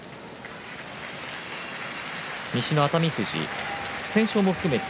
西の熱海富士、不戦勝も含めて